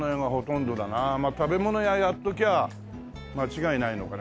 まあ食べ物屋やっときゃ間違いないのかな。